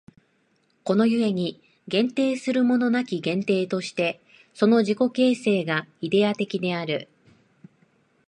この故に限定するものなき限定として、その自己形成がイデヤ的である。